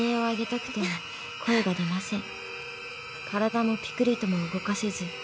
［体もぴくりとも動かせず］